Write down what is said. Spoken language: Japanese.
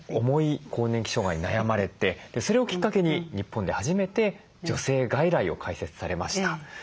重い更年期障害に悩まれてそれをきっかけに日本で初めて女性外来を開設されました。